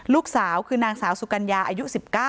ลูกสาวคือนางสาวสุกัญญาอายุ๑๙